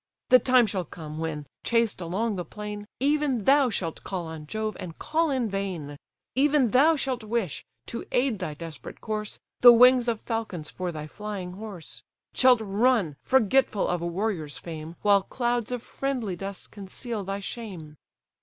The time shall come, when, chased along the plain, Even thou shalt call on Jove, and call in vain; Even thou shalt wish, to aid thy desperate course, The wings of falcons for thy flying horse; Shalt run, forgetful of a warrior's fame, While clouds of friendly dust conceal thy shame."